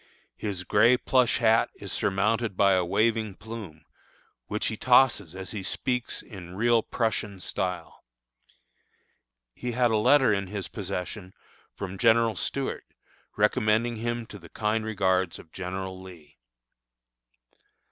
His gray plush hat is surmounted by a waving plume, which he tosses as he speaks in real Prussian style. He had a letter in his possession from General Stuart, recommending him to the kind regards of General Lee.